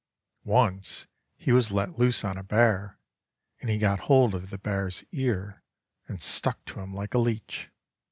Once he was let loose on a bear, and he got hold of the bear's ear and stuck to him like a leech.